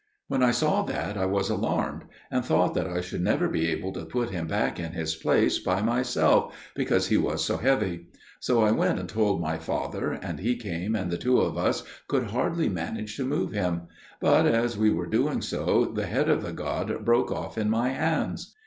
When I saw that, I was alarmed, and thought that I should never be able to put him back in his place by myself, because he was so heavy; so I went and told my father, and he came, and the two of us could hardly manage to move him; but as we were doing so, the head of the god broke off in my hands.